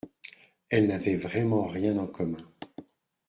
elle n’avait vraiment rien en commun.